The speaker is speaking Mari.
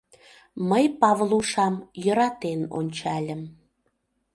Мый Павлушам йӧратен ончальым.